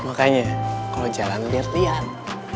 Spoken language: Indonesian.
makanya kalau jalan liat liat